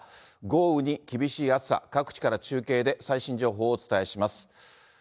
豪雨に厳しい暑さ、各地から中継で最新情報をお伝えします。